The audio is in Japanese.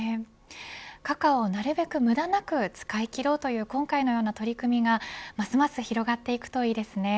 カカオをなるべく無駄なく使い切ろうという今回のような取り組みがますます広がっていくといいですね。